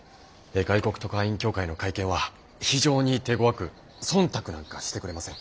外国特派員協会の会見は非常に手ごわく忖度なんかしてくれません。